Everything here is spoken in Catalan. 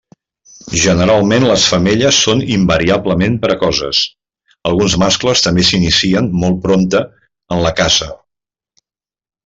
Generalment les femelles són invariablement precoces; alguns mascles també s'inicien molt prompte en la caça.